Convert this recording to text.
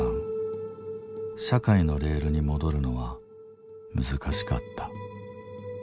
社会のレールに戻るのは難しかった。